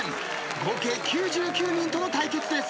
合計９９人との対決です。